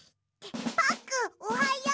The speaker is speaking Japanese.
パックンおはよう！